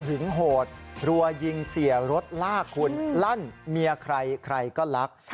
โหดรัวยิงเสียรถลากคุณลั่นเมียใครใครก็รัก